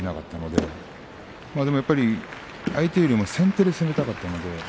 でもやっぱり、相手より先手先手で攻めたかったですね。